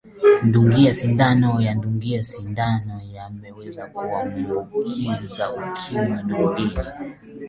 kundungia sindano yakundunga sindano yameweza kuwaambukiza ukimwi nurdini